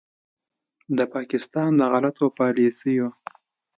د پاکستان د غلطو پالیسیو